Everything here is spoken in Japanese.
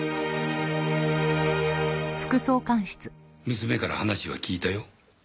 娘から話は聞いたよ。